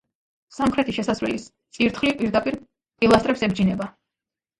სამხრეთი შესასვლელის წირთხლი პირდაპირ პილასტრებს ებჯინება.